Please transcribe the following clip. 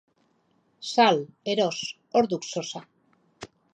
Sal, eros, hor duk sosa.